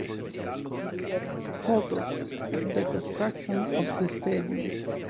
Photos of the construction of the stadium